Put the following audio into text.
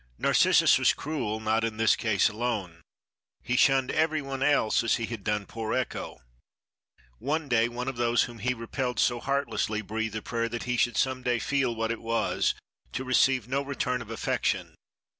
"Narcissus was cruel not in this case alone. He shunned every one else as he had done poor Echo. One day one of those whom he repelled so heartlessly breathed a prayer that he should some day feel what it was to receive no return of affection.